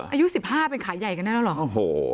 อายุ๑๕เป็นขาใหญ่กันแล้วหรอ